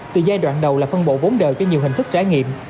từ giai đoạn đầu là phân bộ vốn đời cho nhiều hình thức trải nghiệm